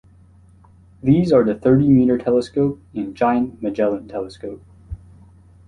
These are the Thirty Meter Telescope and Giant Magellan Telescope.